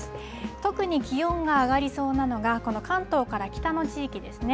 特に気温が上がりそうなのがこの関東から北の地域ですね。